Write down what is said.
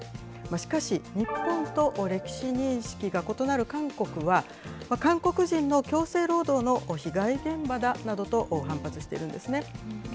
しかし、日本と歴史認識が異なる韓国は、韓国人の強制労働の被害現場だなどと反発しているんですね。